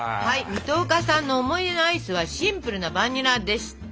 水戸岡さんの思い出のアイスはシンプルなバニラでしたよ。